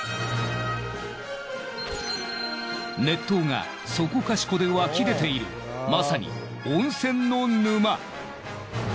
熱湯がそこかしこで湧き出ているまさに温泉の沼。